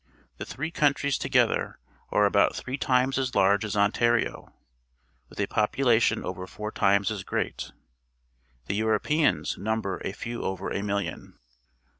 The three countries together are about three times as large as Ontario, with a population over four times as great. The Europeans number a few over a million.